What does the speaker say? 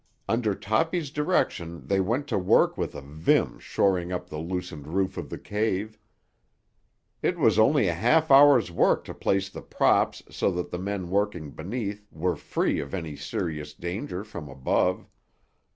Under Toppy's direction they went to work with a vim shoring up the loosened roof of the cave. It was only a half hour's work to place the props so that the men working beneath were free of any serious danger from above.